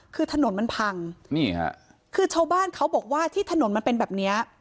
คือถนนมันพังนี่ค่ะคือชาวบ้านเขาบอกว่าที่ถนนมันเป็นแบบเนี้ย